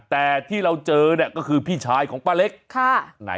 แต่ที่เราเจอเนี่ยก็คือพี่ชายของป้าเล็ก